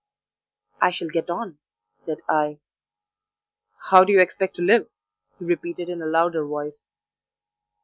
"I shall get on," said I. "How do you expect to live?" he repeated in a louder voice.